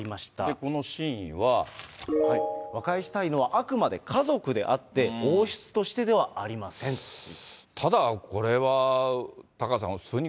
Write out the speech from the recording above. この真意は。和解したいのはあくまで家族であって、王室としてではありませんということですね。